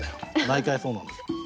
毎回そうなんです。